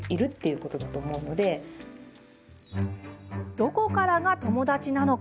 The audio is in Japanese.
どこからが友達なのか。